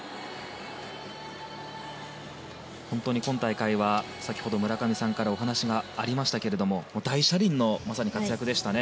今大会は先ほど村上さんからお話がありましたがまさに大車輪の活躍でしたね